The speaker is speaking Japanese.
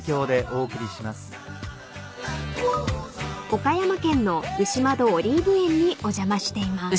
［岡山県の牛窓オリーブ園にお邪魔しています］